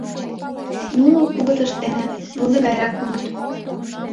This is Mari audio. Нуно кугытышт дене лудо гайрак улыт.